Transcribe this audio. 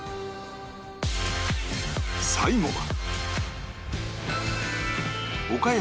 最後は